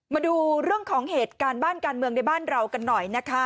มาดูเรื่องของเหตุการณ์บ้านการเมืองในบ้านเรากันหน่อยนะคะ